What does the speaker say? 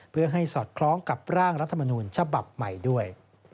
เพื่อให้สอดคล้องกับร่างรัฐมนูญฉบับใหม่ด้วย